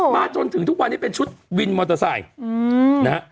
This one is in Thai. จนถึงทุกวันนี้เป็นชุดวินมอเตอร์ไซค์นะฮะ